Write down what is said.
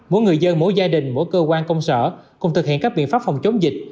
mỗi người dân mỗi gia đình mỗi cơ quan công sở cùng thực hiện các biện pháp phòng chống dịch